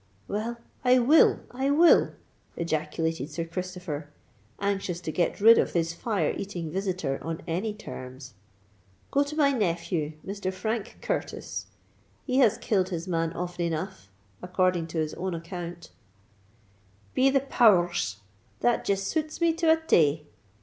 "Well—I will, I will!" ejaculated Sir Christopher, anxious to get rid of his fire eating visitor on any terms. "Go to my nephew, Mr. Frank Curtis: he has killed his man often enough—according to his own account——" "Be the power rs! that jist suits me to a tay!"